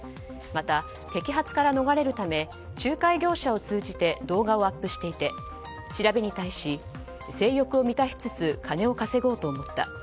また、摘発から逃れるため仲介業者を通じて動画をアップしていて調べに対し、性欲を満たしつつ金を稼ごうと思った。